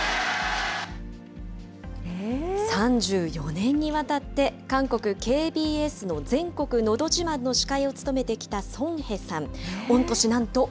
３４年にわたって、韓国ＫＢＳの全国のど自慢の司会を務めてきたソン・ヘさん。